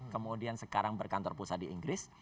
kemudian sekarang berkantor pusat di inggris